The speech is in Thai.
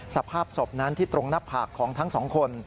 สภาพศพนั้นที่ตรงหน้าผากของทั้งสองคน